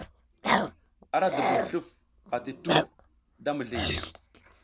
Ara dubun sluf ati tuhu da mizliy.